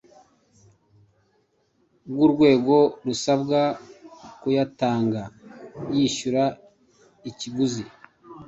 bw’urwego rusabwa kuyatanga, yishyura ikiguzi